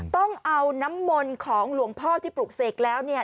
ต้องเอาน้ำมนต์ของหลวงพ่อที่ปลูกเสกแล้วเนี่ย